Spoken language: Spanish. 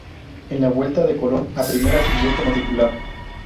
En la vuelta de Colón a primera siguió como titular.